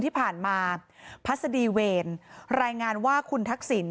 ที่ผ่านมาพัศดีเวรรายงานว่าคุณทักษิณ